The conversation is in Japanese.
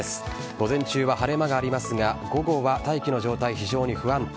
午前中は晴れ間がありますが午後は大気の状態が非常に不安定。